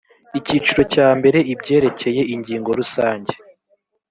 icyiciro cya mbere ibyerekeye ingingo rusange